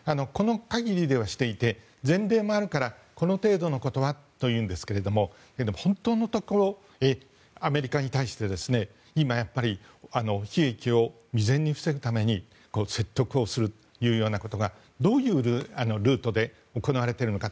前例もあるからこの程度のことはというんですが本当のところアメリカに対して今やっぱり悲劇を未然に防ぐために説得をするということがどういうルートで行われているのか。